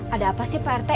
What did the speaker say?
ada apa sih pak rt